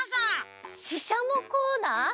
ししゃもコーナー？